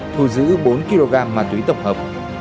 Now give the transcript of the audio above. thu giữ bốn kg ma túy tổng hợp